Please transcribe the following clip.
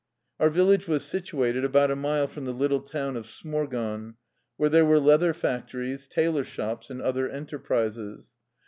Our village was situated about a mile from the little town of Smorgon, where there were leather fac tories, tailor shops, and other enterprises.